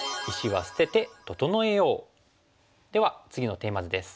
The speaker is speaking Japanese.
では次のテーマ図です。